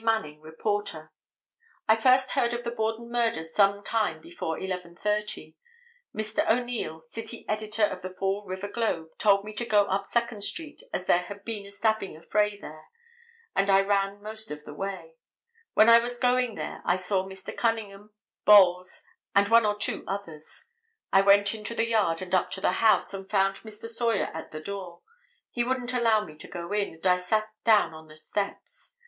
Manning, reporter. "I first heard of the Borden murder some time before 11:30; Mr. O'Neil, city editor of the Fall River Globe, told me to go up Second street as there had been a stabbing affray there, and I ran most of the way; when I was going there I saw Mr. Cunningham, Bolles and one or two others; I went into the yard and up to the house, and found Mr. Sawyer at the door; he wouldn't allow me to go in, and I sat down on the steps.